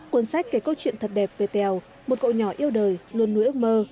cuốn sách kể câu chuyện thật đẹp về tèo một cậu nhỏ yêu đời luôn nuôi ước mơ